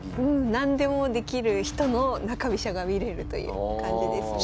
何でもできる人の中飛車が見れるという感じですね。